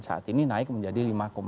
saat ini naik menjadi lima dua puluh tujuh